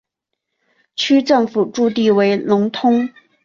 区政府驻地为农通。